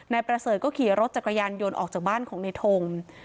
นายประเสริฐก็ขี่รถจักรยานยนต์ออกจากบ้านของในทง